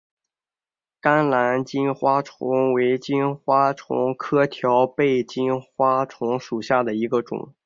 甘蓝金花虫为金花虫科条背金花虫属下的一个种。